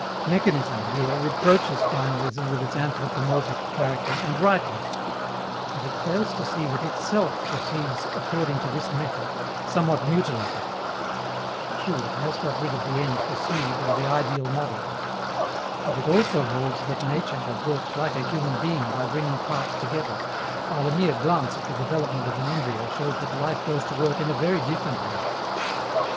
Mechanism, here, reproaches finalism with its anthropomorphic character, and rightly. But it fails to see that itself proceeds according to this method somewhat mutilated! True, it has got rid of the end pursued or the ideal model. But it also holds that nature has worked like a human being by bringing parts together, while a mere glance at the development of an embryo shows that life goes to work in a very different way.